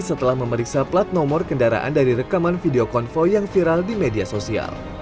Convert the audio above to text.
setelah memeriksa plat nomor kendaraan dari rekaman video konvoy yang viral di media sosial